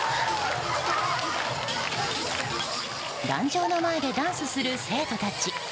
壇上の前でダンスする生徒たち。